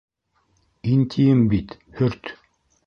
Ин тием бит, һөрт.